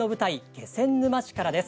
気仙沼市からです。